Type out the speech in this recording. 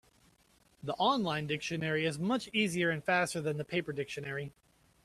The on-line dictionary is much easier and faster than the paper dictionary.